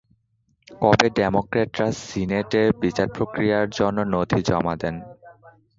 কবে ডেমোক্র্যাটরা সিনেটে বিচারপ্রক্রিয়ার জন্য নথি জমা দেন।